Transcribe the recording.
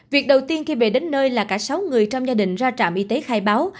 việc đầu tiên khi về đến nơi là cả sáu người trong gia đình ra trạm y tế khai báo